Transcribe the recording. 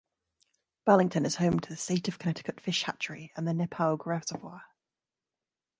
Burlington is home to the State of Connecticut Fish Hatchery and the Nepaug Reservoir.